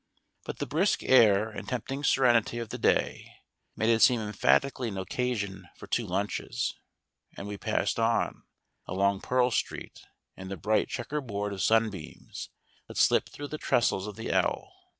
But the brisk air and tempting serenity of the day made it seem emphatically an occasion for two lunches, and we passed on, along Pearl Street, in the bright checkerboard of sunbeams that slip through the trestles of the "L."